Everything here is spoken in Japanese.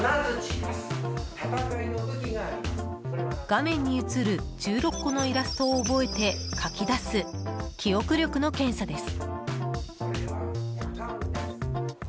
画面に映る１６個のイラストを覚えて書き出す記憶力の検査です。